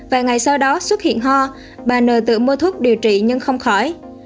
và ngày sau đó xuất hiện ho bà n tự mua thuốc điều trị nhưng không khỏi